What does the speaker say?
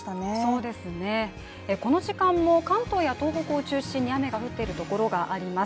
そうですね、この時間も関東や東北を中心に雨が降っているところがあります。